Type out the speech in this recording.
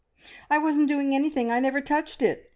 "I wasn't doing anything! I never touched it!"